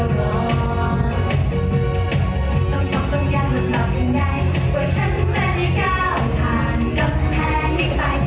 ต้องโม่ใครอย่าไม่เคยทำร้ายสักคนเที่ยวใด